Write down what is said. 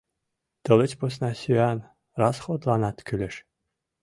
Тылеч посна сӱан расходланат кӱлеш.